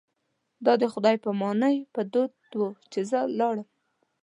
دا د خدای په امانۍ په دود و چې زه لاړم.